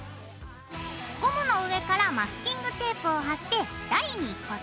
ゴムの上からマスキングテープを貼って台に固定。